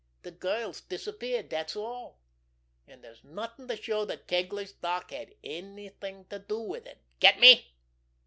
De girl's disappeared, dat's all—an' dere's nothing to show dat Kegler's dock had anything to do wid it. Get me?